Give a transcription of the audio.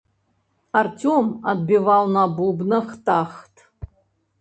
Арцём адбіваў на бубнах тахт.